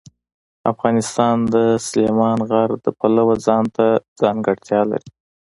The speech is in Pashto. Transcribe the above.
افغانستان د سلیمان غر د پلوه ځانته ځانګړتیا لري.